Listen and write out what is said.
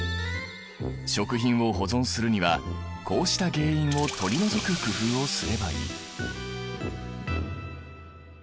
食品を保存するにはこうした原因を取り除く工夫をすればいい。